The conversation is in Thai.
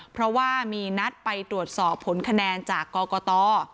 เพราะว่ามีนัดไปตรวจสอบผลคะแนนจากกรกต